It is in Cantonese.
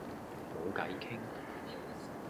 冇計傾